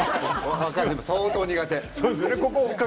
相当、苦手。